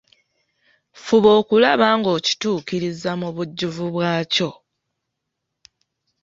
Fuba okulaba ng’okituukiriza mu bujjuvu bwakyo.